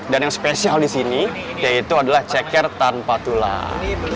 dan yang spesial di sini yaitu adalah ceker tanpa tulang